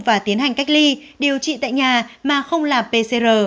và tiến hành cách ly điều trị tại nhà mà không là pcr